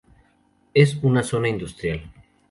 Es una zona industrial.